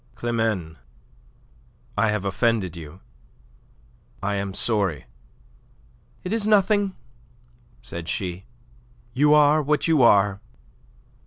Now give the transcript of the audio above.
"Climene, I have offended you. I am sorry." "It is nothing," said she. "You are what you are."